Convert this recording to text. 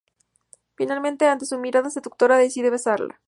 Finalmente y ante su mirada seductora decide besarla.